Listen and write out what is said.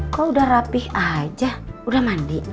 kok udah rapih aja udah mandi